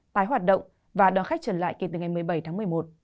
tái hoạt động và đón khách trở lại kể từ ngày một mươi bảy tháng một mươi một